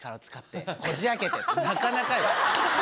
ってなかなかよ。